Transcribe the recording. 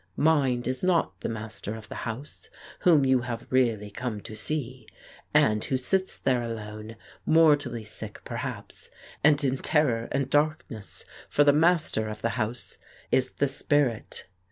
Mind is not the master of the house, whom you have really come to see, and who sits there alone, mortally sick, perhaps, and in terror and darkness for the master of the house is the spirit.